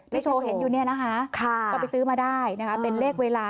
โชว์เห็นอยู่เนี่ยนะคะก็ไปซื้อมาได้นะคะเป็นเลขเวลา